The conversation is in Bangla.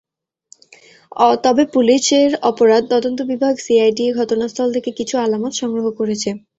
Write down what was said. তবে পুলিশের অপরাধ তদন্ত বিভাগ সিআইডি ঘটনাস্থল থেকে কিছু আলামত সংগ্রহ করেছে।